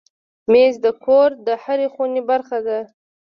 مېز د کور د هرې خونې برخه ده.